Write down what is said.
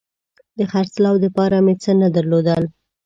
د خرڅلاو دپاره مې څه نه درلودل